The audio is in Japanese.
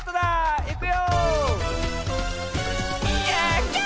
いくよ！